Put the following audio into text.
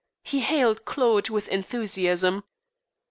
He hailed Claude with enthusiasm.